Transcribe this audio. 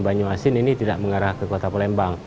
banyuasin ini tidak mengarah ke kota palembang